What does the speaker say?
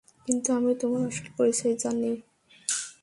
কিন্তু আমি তোমার আসল পরিচয় জানি।